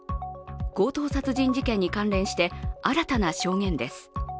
強盗殺人事件に関連して、新たな証言です。